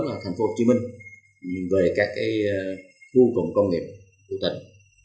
đó là thành phố hồ chí minh về các cái khu cụm công nghiệp của tỉnh